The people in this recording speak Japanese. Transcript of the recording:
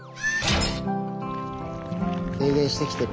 軽減してきてる。